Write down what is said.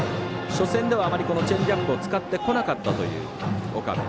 初戦では、あまりチェンジアップを使ってこなかったという岡部。